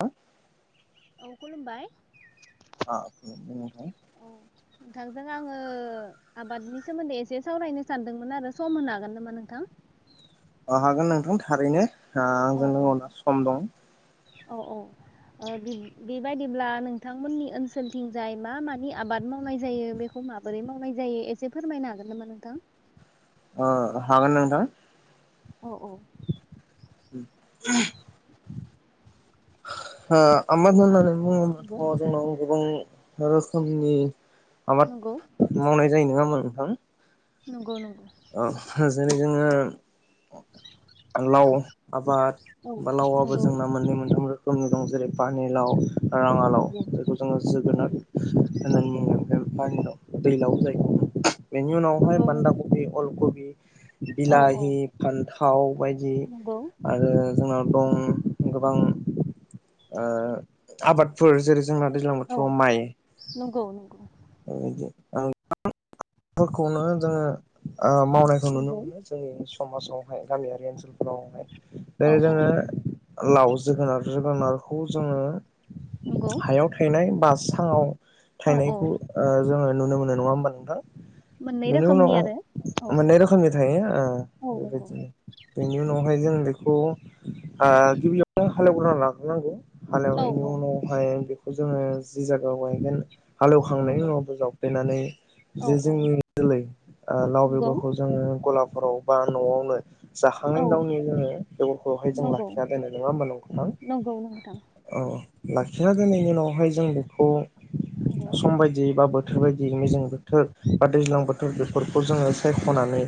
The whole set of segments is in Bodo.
हा? औ खुलुमबाय। औ [unintelligible] नोंथांजों आङो आबादनि सोमोन्दै एसे सावरायनो सानदोंमोन आरो सम होनो हागोन नामा नोंथां? अ हागोन नोंथां थारैनो। ओ औ आंजों लोगोआव दा सम दं। औ औ बेब बेबायदिब्ला नोंथांमोननि ओनसोलथिंजाय मा मानि आबाद मावनाय जायो बेखौ माबोरै मावनाय जायो एसे फोरमायनो हागोन नामा नोंथां? ओ हागोन नोंथां। औ औ [inaudible] [inaudible] हा [unintelligible] [unintelligible] जोंनाव गोबां रोखोमनि नंगौ आबाद मावनाय जायो नङा होमबा नोंथां। नंगौ नंगौ। ओ जैरै जोङो लाव आबाद औ बा लावाबो नंगौ जोंना मोननै मोनथाम रोखोमनि दं। जेरै पानि लाव राङा लाव नंगौ जायखौ जोङो जोगोनार नंगौ होननानै बुङो। पानि लाव दैलाव जायखौ बेनि उनावहाय नंगौ बान्दा नोंथां ख फुल कबि। औ औ बिलाहि फान्थाव बायदि नंगौ आरो जोंना दं गोबां ओ आबादफोर जेरै जोंना दैज्लां औ बोथोराव माइ नंगौ नंगौ बेदि [unintelligible] खौनो जोंङो ओ मावनायखौ नुनो नंगौ मोनो जों समाजावहाय गामियारि ओनसोलफोरावहाय औ जेरै औ जोंङो लाव जोगोनार जोगोनार हु जोंङो नंगौ हायाव थायनाय बास सांङाव औ औ थायनायखौ ओ जोंङो नुनो मोनो नंङा होनबा नोंथां? मोननै बेनि उनाव रोखोमनि आरो औ मोननै रोखोमनि थायो ओ औ नंगौ बेबायदिनो बेनि उनावहाय जों बेखौ ओ गिबियावनो हालेवग्रनानै लाग्रोनांगौ। औ हालेवनायनि औ उनावहाइ खौ जोंङो जि जायगायाव गायगोन हालेवखांनायनि नंगौ उनाब जाव फेनानै औ जे औ जोंनि जोलै ओ लाव नंगौ बेगरखौ जोंङो गलाफोराव बा न'आवनो जाखांनाय औ उनावनो जोंङो बेगरखौहाय जों नंगौ लाखिया दोनो नंङा होनबा नोंथां? नंगौ नोंथां औ औ। खिना दोननायनि उनावहाय जों बेखौ नंगौ सम बायदियै बा बोथोर बायदियै जोंङो बोथोर बा दैज्लां बोथोर खौ जोंङो सायखनानै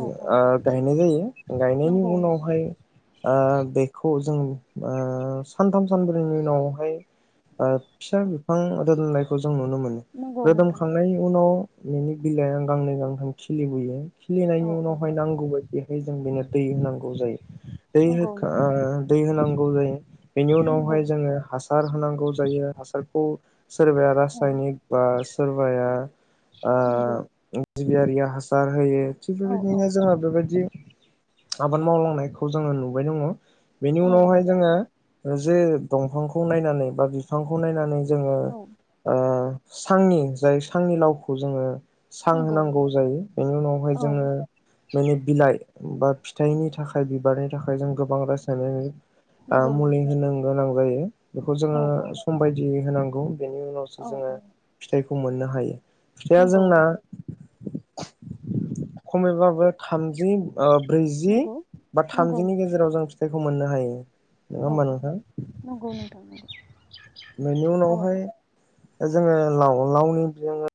औ औ ओ गायनाय जायो गायनायनि नंगौ उनावहाय जों ओ साथाम सानब्रैनि उनावहाय ओ फिसा बिफां दोननायखौ जों। नुनो मोनो नंगौ नोंथां रोदोमखांनायनि उनाव नोंनि बिलाइ आं गांनै गांथाम खिलिबोयो औ खिलिनायनि औ उनावहाय नांगौ बायदिहाय जों बेनो दै होनाग गौ जायो दै नंगौ होखा नंगौ ओ दै होनां ग जायो। बेनि नंगौ उनावहाय जोङो हासार होनांगौ जायो हासारखौ सोरबाया औ रासायनिक बा सोरबाया नंगौ ओ जिबियारिया हासार होयो। थिग औ औ बेबायदिनो जोंङो बेबायदि आबाद मावलांनायखौ जोङो नुबाय दङ। बेनि औ उनावहाय नंगौ जोङो। जे दंफांखौ नायनानै बा बिफांखौ नायनानै जोङो औ ओ सांनि जाय सांनि लावखौ जोङो सां नंगौ होनांगौ जायो बेनि उनावहाय औ जोङो बेनि बिलाइ बा फिथाइनि थाखाय बिबारनि थाखाय जों गोबां रासायनायख आ नंगौ नंगौ मुलि होनांगोन आं जायो। बेखौ औ जोङो सम बायदि होनां गौ बेनि औ उनावसो जोङो औ फिथाइखौ मोननो हायो फिथाइया नंगौ जोंना खमैबाबो थामजि ओ ब्रैजि नंगौ बा नंगौ थामजिनि नंगौ गेजेराव जों फिथाइ खौ मोननो हायो‌। औ नोङा ओमबा औ नोंथां। नंगौ नोंथां बेनि औ उनावहाय जोङो लाव लावनि जोङो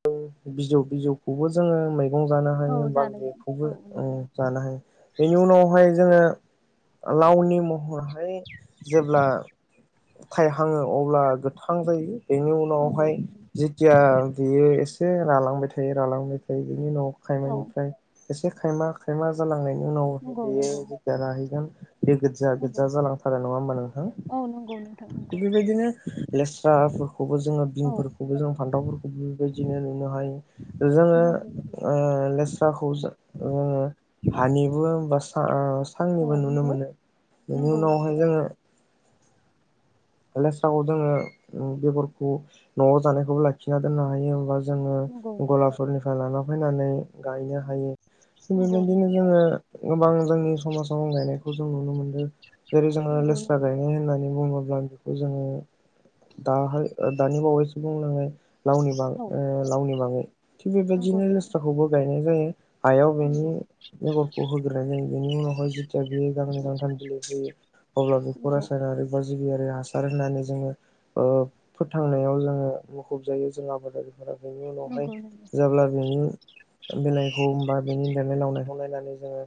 बिजौ बिजौखौबो जोङो मै गं जानो औ हायो बा जानाय बैखौबो औ ओं नंगौ जानो हायो बेनि उनावहाय जोङो लावनि महरहाय जेब्ला थाइहाङो अब्ला गोथां जायो। बेनि नंगौ उनावहाय जेथिया बियो एसे रालांबाय थायो रालांबाय थायो बिनि उनाव औ खायमानिफ्राय एसे खायमा खायमा जालांनाय नाव हे नंगौ बेयो नंगौ जेतिया राहैगोन बे गोदजा नंगौ गोदजा जालांथारो नंङा ओमबा नोंथां? औ नंगौ नोंथां नंगौ ओ लेस्राफोरखौबो जोंङो औ बिनफोरखौबो जों फान्थावफोरखौबो बेबायदिनो नुनो हायो जोंङो नंगौ नंगौ ओ लेस्राखौ ओ हानिबो [unintelligible] औ सांनिबो नुनो मोनो। नंगौ बेनि नंगौ उनावहाय जोंङो लेस्राखौ जोंङो बेगरखौ नवाव जानायखौबो लाखिना दोननो हायो होमबा नंगौ जोंङो गलाफोरनिफ्राय लाना होनानै गायनो हायो। थिग नंगौ नंगौ बेबायदिनो जोंङो गोबां जोंनि समाजाव आं गायनायखौ जों नुनो मोनदो जेरै जोंङो नंगौ लेस्रा नोंथां गायनाय होननानै बुंङोब्ला जोंङो दाहाय दानि बावैसो बुंलांनाय लावनि बा ओ लावनि बाङै थिग नंगौ बेबायदिनो नंगौ लेस्राखौबो गाय नाय जायो। हायाव औ बेनि नंगौ बेगरखौ होग्रोनाय जायो। बेनि उनावहाय जेथिया बेयो गांनै गांथाम बिलाइ होयो अब्ला बेखौ नंगौ रासायनारिफोर गिबियारि हा सार होननानै जोंङो ओ फोथांनायाव जोंङो मुखुब जायो जों आबादारि फोरा बेनि उनावहाय नंगौ नंगौ जाब्ला बेनि बिलाइखौ होनबा बेनि देरनाय लावनायखौ नायनानै जोंङो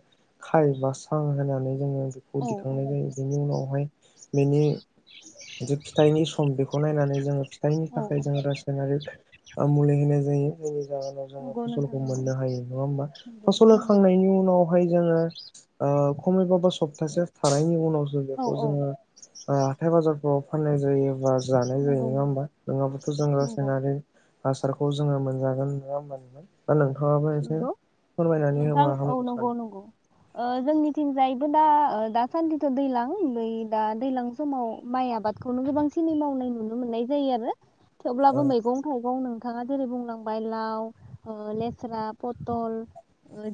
खाय बा सा होनानै जोंङो बेखौ औ औ दिखांनाय जायो बेनि उनावहाय बेनि बिदि फिथाइनि सम बेखौ नायनानै जोंङो जायनि औ थाखाय जों रासायनारि ओ मुलि होनाय जायो, जायनि जाहोनाव जोंङो नंगौ नोंथां फसलखौ नंगौ मोननो हायो नङा होमबा? नंगौ फसल नंगौ होखांनायनि उनाव खाय जोंङो ओ खमैबाबो सप्तासे थानायनि उनाव जों औ बेखौ औ जोंङो ओ फोर फाननाय जायो, बा जानाय जायो नंगौ नंङा नंगौ होमबा? नङाब्लाथ' जों नंगौ रासायनारि हासारखौ जोंङो मोनजागोन नंङा होनबा नोंथां? दा नोंथाङाबो एसे नंगौ फोरमायनानै नोंथां होबा औ हामगौ सानो नंगौ नंगौ ओ जोंनिथिं जाय दा दासान्दिथ' दैज्लां बै दा दैज्लां समाव माइ आबादखौनो गोबांसिनै मावनाय नुनो मोननाय जायो आरो औ थेवब्लाबो मैगं थाइगंनो नोंथाङा जेरै बुंलांबाय लाव ले स्रा, पथल,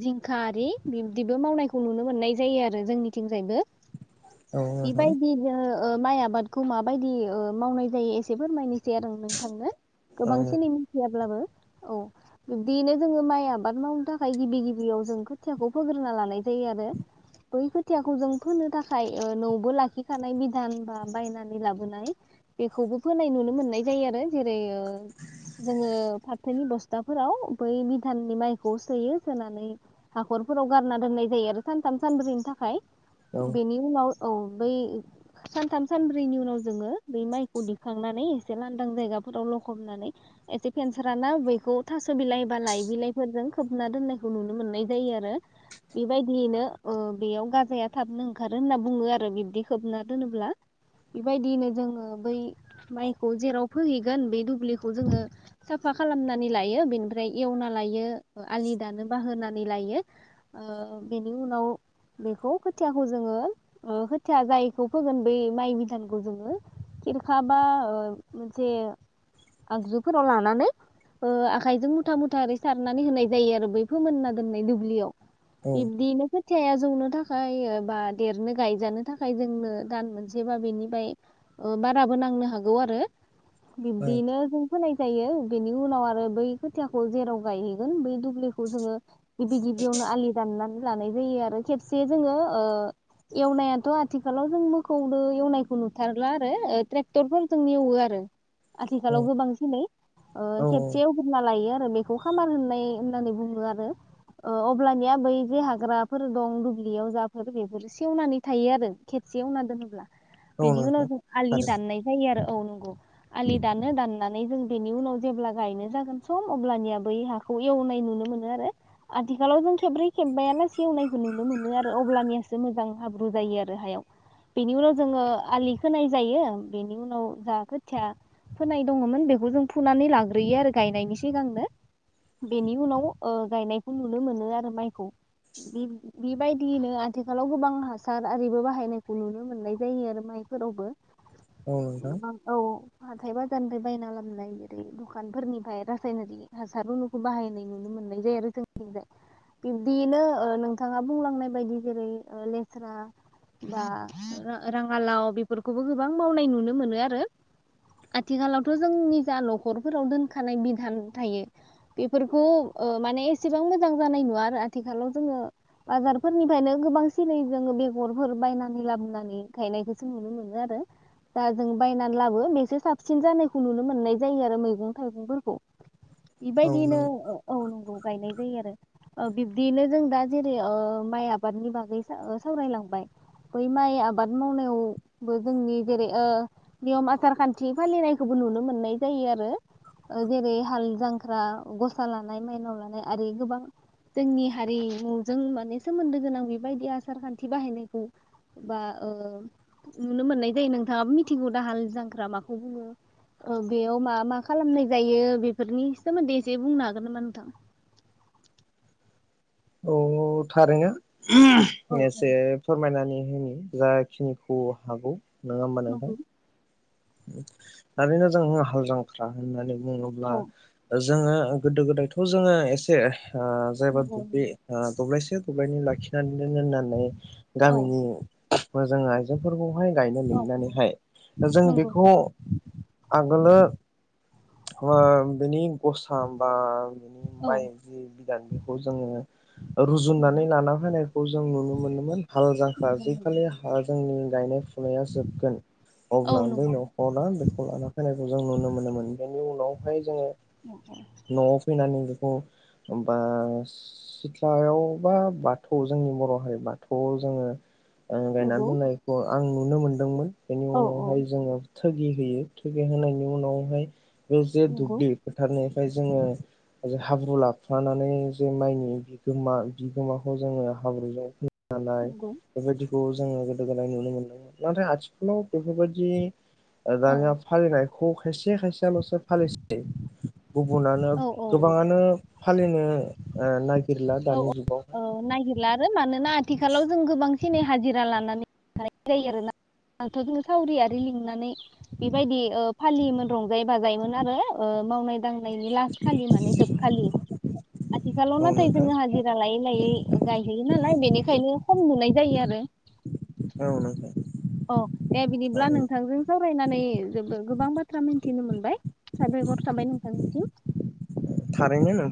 जिंखा आरि बिब्दिबो मावनायखौ नुनो मोननाय जायो आरो जोंनिथिंजायबो औ नोंथां बिबायदिनो ओ माइ आबादखौ माबायदि ओ मावनाय जायो एसे फोरमायनि। थि आरो नोंथांनो औ गोबांसिनै मिथियाब्लाबो। औ बिनो जोङो माइ आबाद मावनो थाखाय गिबि गिबियाव जों खोथियाखौ फोग्रोना लानाय जायो आरो बै खोथियाखौ जों फोनो थाखाय न'वबो लाखिखानाय बिधान बा बायनानै लाबोनाय बेखौबो फोनाय नुनो मोननाय जायो आरो जेरै [unintelligible] जोङो। थोनि बस्थाफोराव। बै भिधाननि माइखौ सोयो सोनानै हाखरफोराव गारना दोननाय जायो आरो सानथाम सानब्रैनि थाखाय। औ बेनि उनाव औ बै सानथाम सानब्रैनि उनाव जोङो बै माइखौ दिखांनानै एसे लांदां जायगाफोराव लखबनानै एसे फेनसार ना बैखौ थास' बिलाइ। बा लाय बिलाइजों खोबना दोननायखौ नुनो मोननाय जायो आरो बेबायदियैनो बेयाव गाजाया थाबनो ओंखारो होनना बुङो आरो बिबदि खोबना दोनोब्ला बेबायदियैनो जोङो बै माइखौ जेराव फोहैगोन बे दुब्लिखौ जोङो साफा खालामनानै लायो बेनि। ओमफ्राय एवना लायो आलि दानो बाहोनानै लायो बेनि उनाव बेखौ खोथियाखौ जोङो खोथिया जायखौ फोगोन बै माइ बिधानखौ जोङो खिरखा बा मोनसे आगजुफोराव लानानै आखाइजों मुथ। मुथा मुथा ओरै सारनानै होनाय जायो आरो बै फोमोनना दोननाय दुब्लियाव। औ [unintelligible] फिथायाया जौनो थाखाय बा देरनो गायजानो थाखाय जोंनो दान मोनसे बा बेनिफ्राय बाराबो नांनो हागौ आरो। औ बिब्दिनो जों होनाय जायो। बेनि उनाव आरो बै। खुथियाखौ जेराव गायहैगोन बै दुब्लिखौ जोङो गिबि गिबियावनो आलि दाननानै लानाय जायो आरो खेबसे जोङो एवनायाथ' आथिखालाव जों मोखौजों एवनायखौ नुथारला आरो ट्रेक्टरफोरजों एवो आरो। औ आथिखालाव गोबां सिनै ओ औ खेबसे एवग्रोना। गायो आरो बेखौ खामार होननाय होननानै बुङो आरो अब्लानिया बै बे हाग्राफोर दं दुब्लियाव जाफोर बेफोर सेवनानै थायो आरो खेबसे एवनानै दोनोब्ला। औ बेनि नोंथां उनाव जों आलि थारैनो दाननाय जायो आरो औ नंगौ। आलि दानो दाननानै जों बेनि उनाव जेब्ला गायनो जागोन। सम अब्लानिया बै हाखौ एवनाय नुनो मोनो आरो आथिखालाव जों खेब्रै खेबबायालासे एवनायखौ नुनो मोनो आरो अब्लानियासो मोजां हाब्रु जायो आरो हायाव बेनि उनाव जोङो आलि खोनाय जायो बेनि उनाव जा खोथिया फोनाय दङमोन बेखौ जों फुनानै लाग्रोयो आरो गायनायनि। सिगांनो बेनि उनाव ओ गायनायखौ नुनो मोनो आरो माइखौ बेबायदियैनो आथिखालाव गोबां हासार आरिबो बाहायनायखौ नुनो मोननाय जायो आरो माइफोरावबो। औ नोंथां गोबां औ-औ। हाथाय बाजारनिफ्राय बायना लाबोनाय ओरै दखानफोरनिफ्राय र। सायनारि हासारउनुखौ बाहायनाय नुनो मोननाय जायो आरो जोंनिथिंजाय बिब्दियैनो नोंथाङा बुंलांनाय बायदि जेरै लेस्रा बा राङालाव बेफोरखौबो गोबां मावनाय नुनो मोनो आरो आथिखालावथ' जोंनि जा न'खरफोराव दोनखानाय बि। थां थायो बेफोरखौ माने एसेबां मोजां जानाय नुवा आरो आथिखालाव जोङो बाजारफोरनिफ्रायनो गोबांसिनै जोङ बेगरफोर बायनानै लाबोनानै गायनायखौसो नुनो मोनो आरो दा जों बायनानै लाबो बेसो साबसिन जानायखौ नुनो मोननाय जायो आरो मैगं थाइगंफोरखौ। औ बिबायदिनो नों औ नंगौ। गायनाय जायो आरो बिब्दियैनो जों दा जेरै माइ आबादनि बागै सावरायलांबाय बै माइ आबाद मावनायावबो जोंनि जेरै नियम आार खान्थि फालिनायखौबो नुनो मोननाय जायो आरो जेरै। हाल जांख्रा गसा लानाय मायनाव लानाय आरो गोबां जोंनि हारिमुजों माने सोमोन्दो गोनां बेबायदि आसार खान्थि बाहायनायखौ बा ओ नुनो मोननाय जायो नोंथाङाबो मिथिगौ दा हाल जांख्रा माखौ बुङो बेयाव मा मा खालामनाय जायो बे बेफोरनि सोमोन्दै एसे बुंनो हागोन नामा नोंथां। औ-औ थारैनो। औ [unintelligible] औ एसे फोरमायनानानै होनि जाखिनिखौ हागौ। नङा होमबा नोंथां। नंगौ मानोना जों हाल जांख्रा होननानै बुङोब्ला औ जोङो गोदो गोदायथ' जोङो एसे। ओ जायबा नंगौ दुब्लि दब्लायसे दब्लायनि लाखि ना [unintelligible] औ गामिनि मोजां आइजोेंफोरखौ माइ गायनो मोननानैहाय, जों बे नंगौ ख आं [unintelligible] मा बेनि गसा बा बिनि औ माइ जि बिदान बेखौ जोङो रुजुननानै लाना होनाय। खौ जों नुनो मोनोमोन। हाल जांख्रा नंगौ जिखालि हा जोंनि। [unintelligible] जोबगोन औ अब्ला बै नंगौ नखरा बेखौ लाना फैनायखौ जों नुनो मोनोम मोन। बेनि उनावहाय जोङो। न आव फैना ओमबा सिथ्लायाव बा बाथौ जोंनि बर' हारि बाथौआव जोङो। ओ गायना नंगौ दोननायखौ आं नुनो मोनदोंमोन। बेनि औ औ उनावहाय जोङो। थगि होयो थगि होनायनि उनावहाय [unintelligible] नंगौ दुब्लि फोथारनि। ओमफ्राय जोङो हाब्रु लाफानानै जे माइनि बिगोमा बिगोमाखौ जोङो हाब्रुजों नाय नंगौ बेबायदि खौ जोङो गोदो गोदाय नुनो मोनदों नाथाय आथिखालाव बेफोरबायदि औ दानिया फालिनायखौ खायसे [unintelligible] [unintelligible] फालिसै गुबुनानो औ औ गोबाङानो। फालिनो ओ नाग [unintelligible] दानि जुगावहाय। ओ नागिरला आरो मानो ना आथिखालाव जों गोबां एनै हाजिरा लानानै जायो आरो ना आथ जोङो सावरि आरि लिंनानै बेबायदि ओ फालियोमोन रंजायै बाजायोमोन आरो ओ मावनाय दांनायनि लासखालि माने जोबखालि आथिखालाव औ नाथाय नोंथां जोङो हाजिरा लायो। है गायहैयो नालाय बेनिखायनो खम नुनाय जायो आरो औ [unintelligible] अ दे बिदिब्ला आरो नोंथांजों सावरायनानै जोबो गोबां बाथ्रा मिन्थिनो मोनबाय। साबायख'र थाबाय नोंथांनि सिम।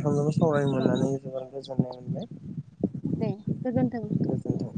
थांजों सावरायनो‌ मोननानै जोबोर गोजोननाय मोनबाय दे गोजोन्थों नोंथां गोजोनथों।